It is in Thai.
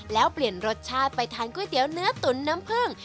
แล้วเปลี่ยนรสชาติไปทานก๋วยเตี๋ยวเนื้อตุ๋นน้ำผึ้ง